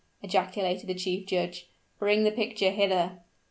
ejaculated the chief judge. "Bring the picture hither."